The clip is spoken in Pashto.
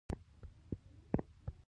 د فشار کنټرول د زړه لپاره اړین دی.